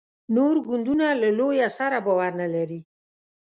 نور ګوندونه له لویه سره باور نه لري.